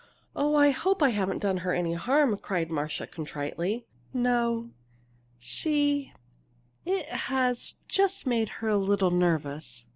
"Oh, I hope I haven't done her any harm!" cried Marcia, contritely. "No she it has just made her a little nervous.